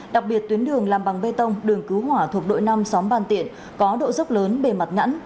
đặc biệt tuyến đường làm bằng bê tông đường cứu hỏa thuộc đội năm xóm ban tiện có độ dốc lớn bề mặt nhẵn